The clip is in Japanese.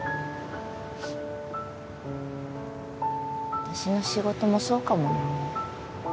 私の仕事もそうかもな。